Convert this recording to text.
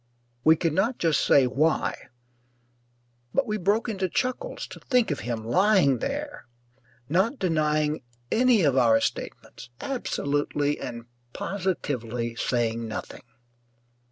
We could not just say why, but we broke into chuckles to think of him lying there, not denying any of our statements, absolutely and positively saying nothing.